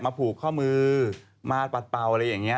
ผูกข้อมือมาปัดเป่าอะไรอย่างนี้